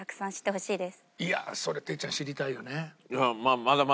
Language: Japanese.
いやそれ哲ちゃん知りたいよね。